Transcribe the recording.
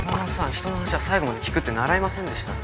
ひとの話は最後まで聞くって習いませんでしたか？